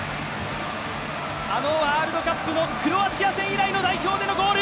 あのワールドカップのクロアチア戦以来での代表戦でのゴール。